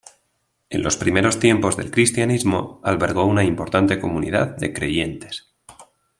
En los primeros tiempos del cristianismo, albergó una importante comunidad de creyentes.